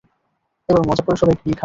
এবার মজা করে সবাই গ্রিল খাবো!